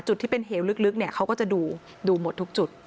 จุดที่เป็นเหวลึกเนี่ยเขาก็จะดูดูหมดทุกจุด